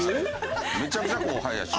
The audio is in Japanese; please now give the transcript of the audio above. めちゃくちゃ後輩やし。